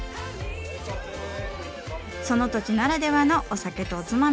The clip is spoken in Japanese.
その土地ならではのお酒とおつまみ。